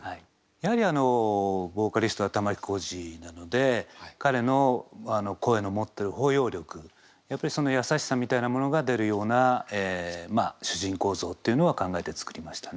やはりあのボーカリストは玉置浩二なので彼の声の持ってる包容力やっぱりそのやさしさみたいなものが出るような主人公像というのは考えて作りましたね。